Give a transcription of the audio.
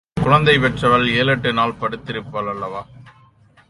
சுந்தரம் குழந்தை பெற்றவள் ஏழெட்டு நாள் படுத்திருப்பாள் அல்லவா?